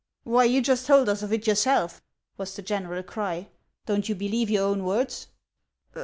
" Why, you just told us of it yourself! " was the general cry. " Don't you believe your own words